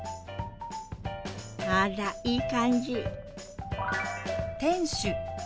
あらいい感じ！